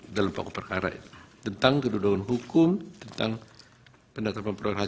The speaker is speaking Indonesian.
atau masih tetap dibacakan